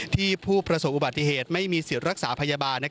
ผู้ประสบอุบัติเหตุไม่มีสิทธิ์รักษาพยาบาล